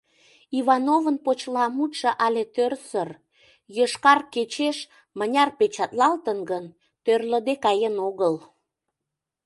Ивановын почеламутшо але тӧрсыр: «Йошкар кечеш» мыняр печатлалтын гын, тӧрлыде каен огыл.